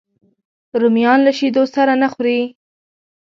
رومیان له شیدو سره نه خوري